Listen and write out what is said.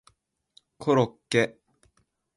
コロッケ